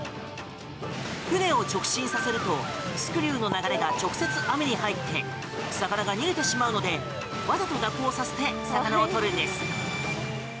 船を直進させるとスクリューの流れが直接網に入って魚が逃げてしまうのでわざと蛇行させて魚を取るんです。